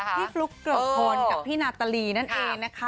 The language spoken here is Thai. ที่ฟลุ๊กเกอร์คนกับพี่นาตาลีนั่นเองนะคะ